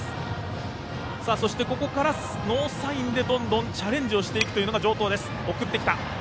そして、ここからノーサインでどんどんチャレンジをしていくのが城東。